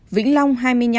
vĩnh long hai mươi năm